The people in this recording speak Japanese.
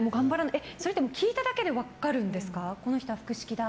それって聞いただけで分かるんですか？